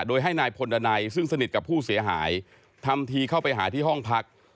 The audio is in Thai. โดยให้นายพลดันัยซึ่งสนิทกับผู้เสียหายทำทีเข้าไปหาที่ห้องพัก